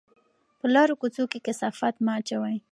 په لارو کوڅو کې کثافات مه اچوئ.